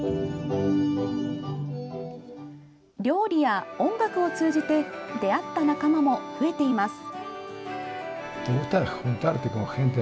料理や音楽を通じて出会った仲間も増えています。